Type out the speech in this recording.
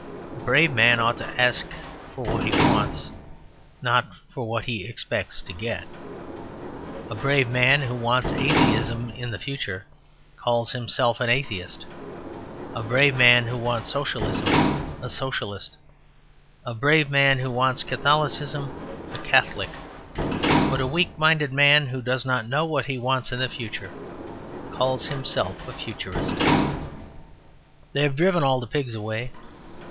A brave man ought to ask for what he wants, not for what he expects to get. A brave man who wants Atheism in the future calls himself an Atheist; a brave man who wants Socialism, a Socialist; a brave man who wants Catholicism, a Catholic. But a weak minded man who does not know what he wants in the future calls himself a Futurist. They have driven all the pigs away.